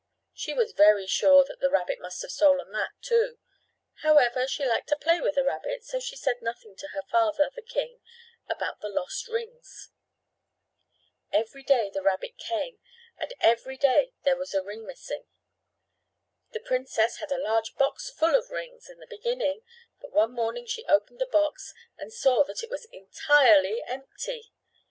She was very sure that the rabbit must have stolen that, too. However, she liked to play with the rabbit, so she said nothing to her father, the king, about the lost rings. Every day the rabbit came and every day there was a ring missing. The princess had a large box full of rings, in the beginning, but one morning she opened the box and saw that it was entirely empty.